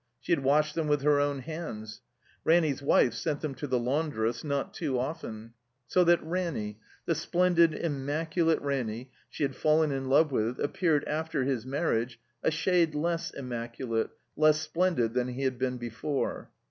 She had washed them with her own hands. Ranny's wife sent them to the laundress, not too often. So that Ranny, the splendid, immaculate Ranny she had fallen in love with, appeared after his marriage a shade less im maculate, less splendid than he had been before.